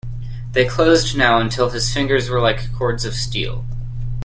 They closed now until his fingers were like cords of steel.